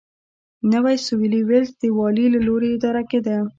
نوی سوېلي ویلز د والي له لوري اداره کېده.